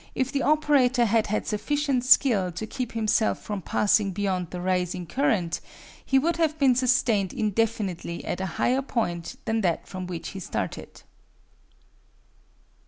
If the operator had had sufficient skill to keep himself from passing beyond the rising current he would have been sustained indefinitely at a higher point than that from which he started.